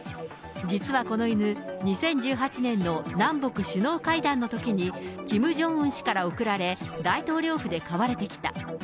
実はこの犬、２０１８年の南北首脳会談のときに、キム・ジョンウン氏から贈られ、大統領府で飼われてきた。